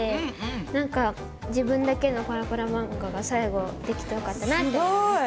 なんか自分だけのパラパラ漫画が最後できてよかったなって思いました。